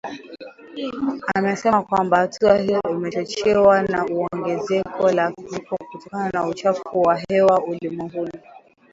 amesema kwamba hatua hiyo imechochewa na ongezeko la vifo kutokana na uchafuzi wa hewa ulimwenguni